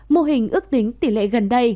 mô hình ước tính tỷ lệ gần đây